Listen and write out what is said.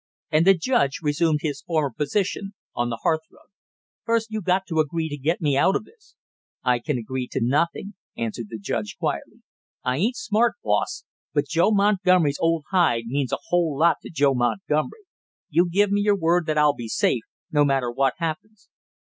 And the judge resumed his former position on the hearth rug. "First you got to agree to get me out of this." "I can agree to nothing," answered the judge quietly. "I ain't smart, boss, but Joe Montgomery's old hide means a whole lot to Joe Montgomery! You give me your word that I'll be safe, no matter what happens!"